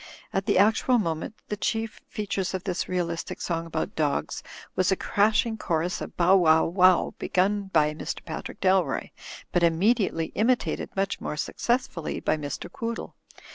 At the actual moment the chief features of this realistic song about dogs was a crash ing chorus of ''Bow wow, wow," begun by Mr. Pat rick Dalroy; but immediately imitated (much more successfidly) by Mr. Quoodle.